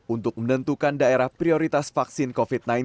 untuk menentukan daerah prioritas vaksin covid sembilan belas